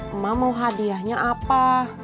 emak mau hadiahnya apa